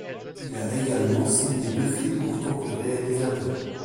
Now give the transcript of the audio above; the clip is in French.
Il a également signé deux films en tant que réalisateur.